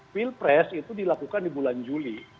pilpres itu dilakukan di bulan juli